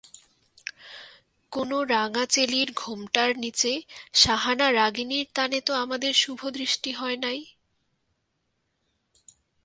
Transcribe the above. কোনো রাঙা চেলির ঘোমটার নীচে শাহানা রাগিণীর তানে তো আমাদের শুভদৃষ্টি হয় নাই!